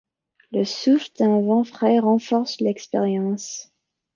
Le souffle d'un vent frais renforce l'expérience.